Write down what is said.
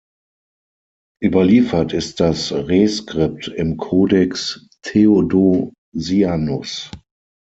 Überliefert ist das Reskript im Codex Theodosianus.